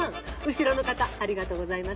後ろの方ありがとうございます。